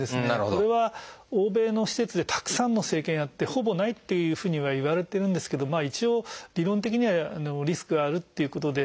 これは欧米の施設でたくさんの生検をやってほぼないというふうにはいわれているんですけど一応理論的にはリスクがあるっていうことで。